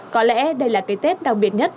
có lẽ đây là cái tết đặc biệt nhất